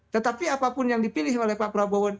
tetapi apapun yang dipilih oleh pak prabowo